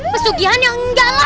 pesugihan yang enggak lah